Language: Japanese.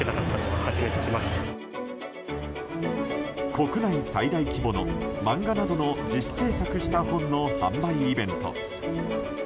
国内最大規模の、漫画などの自主制作した本の販売イベント。